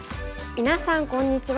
みなさんこんにちは。